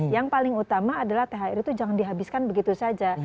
yang paling utama adalah thr itu jangan dihabiskan begitu saja